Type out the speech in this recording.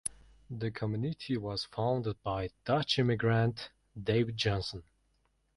The community was founded by Dutch immigrant David Johnson.